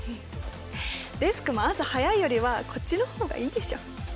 デスクも朝早いよりはこっちの方がいいでしょ。